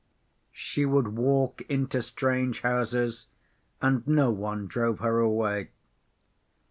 She would walk into strange houses, and no one drove her away.